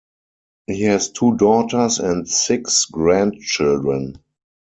He has two daughters and six grandchildren.